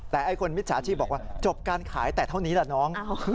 แต่ไอ้คนมิจฉาชีพบอกว่าจบการขายแต่เท่านี้ล่ะน้อง